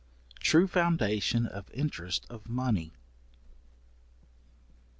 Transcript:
True foundation of interest of money.